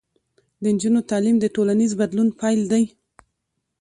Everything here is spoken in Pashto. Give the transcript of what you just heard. د نجونو تعلیم د ټولنیز بدلون پیل دی.